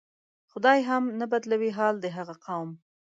خدای هم نه بدلوي حال د هغه قوم